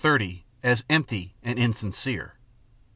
30) as "empty and insincere."